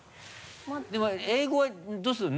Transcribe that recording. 英語はどうする？